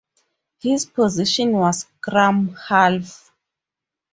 His position was scrum-half.